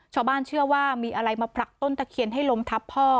ชาวบ้านเชื่อว่ามีอะไรมาผลักต้นตะเคียนให้ล้มทับพ่อ